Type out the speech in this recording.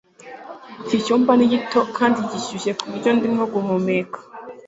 Iki cyumba ni gito kandi gishyushye kuburyo ndimo guhumeka